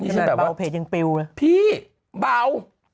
นี่ใช่แบบว่าพี่เบา